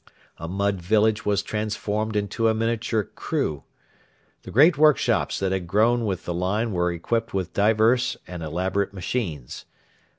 A mud village was transformed into a miniature Crewe. The great workshops that had grown with the line were equipped with diverse and elaborate machines.